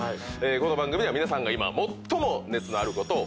この番組では皆さんが今最も熱のあることをお伺いしたい。